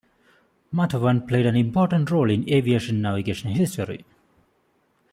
Matawan played an important role in aviation navigation history.